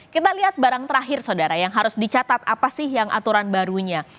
kita lihat barang terakhir saudara yang harus dicatat apa sih yang aturan barunya